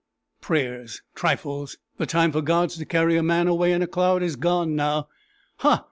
"Prayers! trifles! The time for gods to carry a man away in a cloud is gone now. Ha!